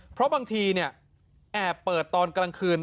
เพราะบางทีแอบเปิดตอนกลางคืน